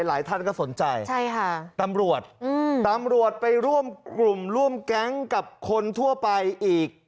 หลายท่านก็สนใจตำรวจไปร่วมกลุ่มร่วมแก๊งกับคนทั่วไปอีก